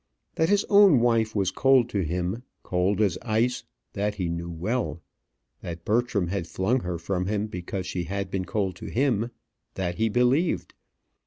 That his own wife was cold to him, cold as ice that he well knew. That Bertram had flung her from him because she had been cold to him that he believed.